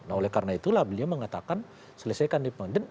nah oleh karena itulah beliau mengatakan selesaikan di pengadilan